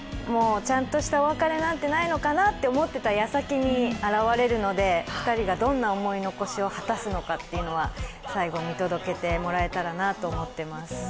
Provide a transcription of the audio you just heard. ちゃんとしたお別れになってないのかなと思ったやさきに現れるので、２人がどんな思い残しを果たすのかというのは最後、見届けてもらえたらなと思っています。